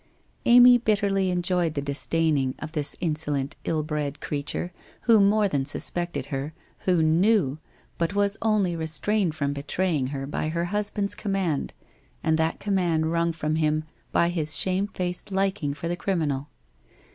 Amy bitterly enjoyed the disdaining of this insolent ill bred creature who more than suspected her, who knew, but was only restrained from betraying her by her husband's command and that command wrung from him by his shamefaced liking for the criminal.